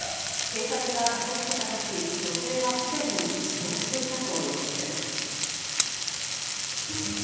警察が駆けつけたとき、女性はすでに死亡していたということです。